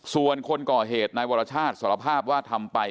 ส่วนคนก่อเหตุนายวรชาติสารภาพว่าทำไป